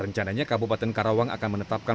rencananya kabupaten karawang akan menetapkan